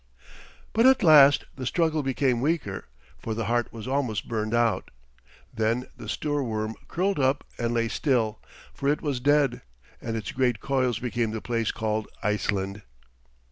But at last the struggle became weaker, for the heart was almost burned out. Then the Stoorworm curled up and lay still, for it was dead, and its great coils became the place called Iceland.